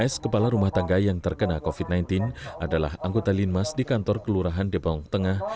s kepala rumah tangga yang terkena covid sembilan belas adalah anggota linmas di kantor kelurahan depong tengah